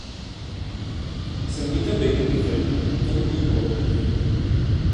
سنگیتا بیگم کی فلم ’تم ہی ہو‘ بھی